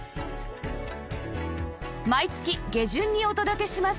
毎月下旬にお届けします